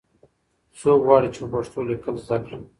څوک غواړي چې په پښتو لیکل زده کړي؟